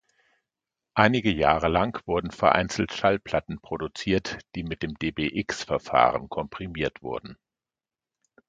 Einige Jahre lang wurden vereinzelt Schallplatten produziert, die mit dem dbx-Verfahren komprimiert wurden.